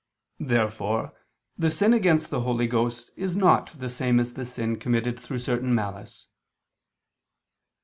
Therefore the sin against the Holy Ghost is not the same as the sin committed through certain malice.